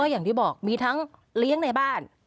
อย่างที่บอกมีทั้งเลี้ยงในบ้าน